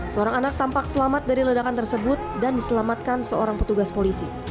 seorang anak tampak selamat dari ledakan tersebut dan diselamatkan seorang petugas polisi